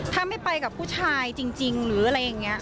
ถ้าไม่ไปกับผู้ชายจริงหรืออะไรอย่างนี้